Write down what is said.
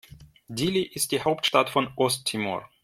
Dili ist die Hauptstadt von Osttimor.